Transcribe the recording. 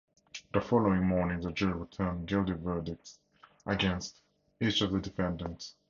The following morning, the jury returned guilty verdicts against each of the defendants.